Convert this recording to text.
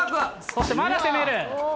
そしてまだ攻める。